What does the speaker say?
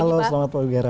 halo selamat pagi gera